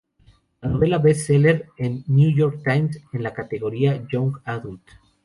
La novela Best Seller en "New York Times" en la categoría Young Adult.